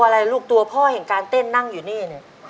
ดูตัวพ่อเห็นการเต้นนั่งอยู่นี้